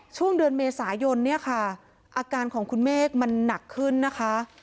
ช่วงเดือนเมษายนอาการของคุณเมคมันหนักขึ้นนะคะ